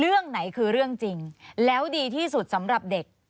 ควิทยาลัยเชียร์สวัสดีครับ